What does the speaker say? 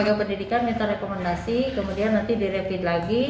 lembaga pendidikan minta rekomendasi kemudian nanti direvit lagi